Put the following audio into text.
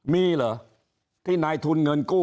มีเหรอที่นายทุนเงินกู้